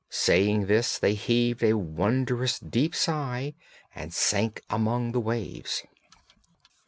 saying this they heaved a wondrous deep sigh and sank among the waves.